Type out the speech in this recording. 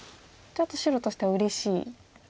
ちょっと白としてはうれしい。